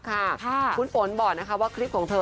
คุณฝนบอกว่าคลิปของเธอ